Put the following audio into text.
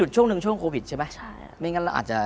ใช่ค่ะ